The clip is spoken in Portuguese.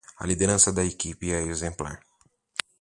A liderança da equipe é exemplar.